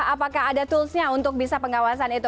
apakah ada toolsnya untuk bisa pengawasan itu